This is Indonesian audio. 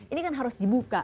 ini kan harus dibuka